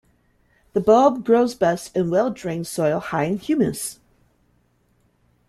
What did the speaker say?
The bulb grows best in well-drained soil high in humus.